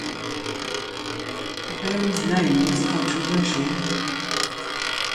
The band's name was controversial.